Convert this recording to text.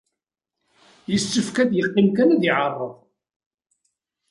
Yessefk ad yeqqim kan ad iɛerreḍ.